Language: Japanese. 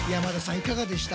いかがでした？